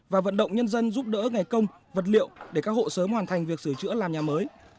và vận động nhân dân giúp đỡ ngày công vật liệu để các hộ sớm hoàn thành việc sửa chữa làm nhà mới